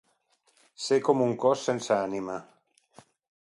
Ser com un cos sense ànima.